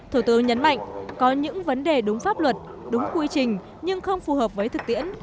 thủ tướng nhấn mạnh có những vấn đề đúng pháp luật đúng quy trình nhưng không phù hợp với thực tiễn